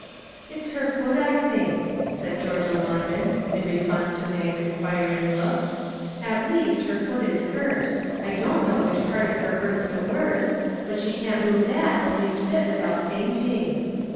" It is her foot, I think," said Georgia Ly man, in response to Mag's inquiring look ;" at least, her foot is hurt ; I don't know which part of her hurts the worst, but she can't move that the least bit without fainting."